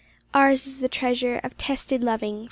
Ours is the treasure of tested loving.